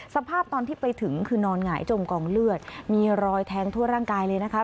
สภาพตอนที่ไปถึงคือนอนหงายจมกองเลือดมีรอยแทงทั่วร่างกายเลยนะคะ